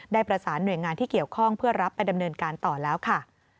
ได้ประสานหน่วยงานที่เกี่ยวข้องเพื่อรับไปดำเนินการต่อแล้วค่ะ